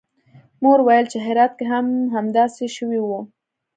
مور ویل چې هرات کې هم همداسې شوي وو